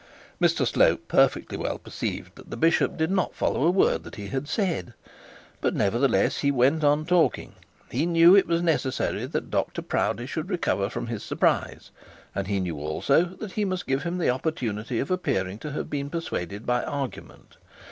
Mr Slope perfectly well perceived that the bishop did not follow a word that he said, but nevertheless he went on talking. He knew it was necessary that Dr Proudie should recover from his surprise, and he knew also that he must give him the opportunity of appearing to have been persuaded by argument.